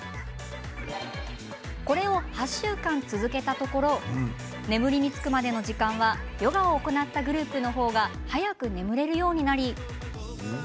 これを８週間続けたところ眠りにつくまでの時間はヨガを行ったグループの方が早く眠れるようになり